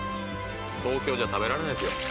東京じゃ食べられないですよ。